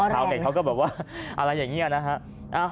เด็กเขาก็แบบว่าอะไรอย่างนี้นะฮะ